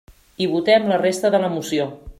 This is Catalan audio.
I votem la resta de la moció.